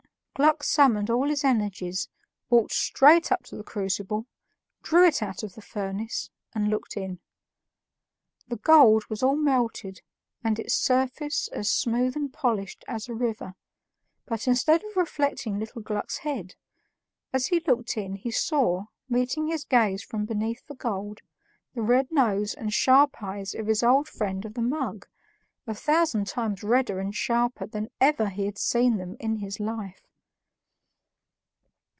Gluck summoned all his energies, walked straight up to the crucible, drew it out of the furnace, and looked in. The gold was all melted and its surface as smooth and polished as a river, but instead of reflecting little Gluck's head, as he looked in he saw, meeting his glance from beneath the gold, the red nose and sharp eyes of his old friend of the mug, a thousand times redder and sharper than ever he had seen them in his life.